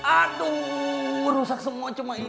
aduh rusak semua cuma ini